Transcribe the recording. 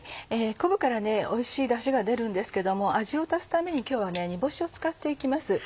昆布からおいしいダシが出るんですけども味を足すために今日は煮干しを使って行きます。